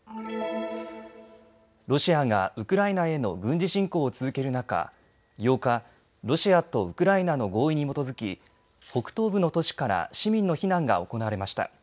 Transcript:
ロシアがウクライナへの軍事侵攻を続ける中、８日、ロシアとウクライナの合意に基づき北東部の都市から市民の避難が行われました。